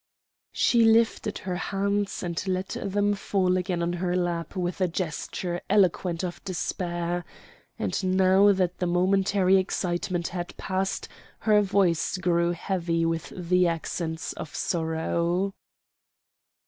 She lifted her hands and let them fall again on her lap with a gesture eloquent of despair, and now that the momentary excitement had passed her voice grew heavy with the accents of sorrow.